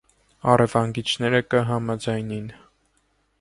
Առեւանգիչները կը համաձայնին։